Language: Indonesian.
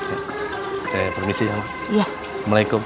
oke permisi ya mak